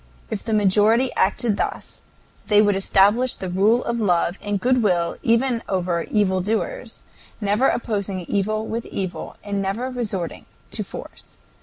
If the majority acted thus they would establish the rule of love and good will even over evil doers, never opposing evil with evil, and never resorting to force.